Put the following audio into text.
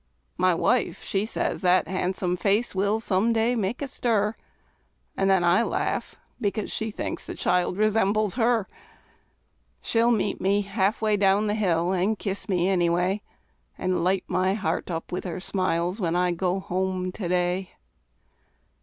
My wife, she says that han'some face will some day make a stir; And then I laugh, because she thinks the child resembles her. She'll meet me half way down the hill, and kiss me, any way; And light my heart up with her smiles, when I go home to day!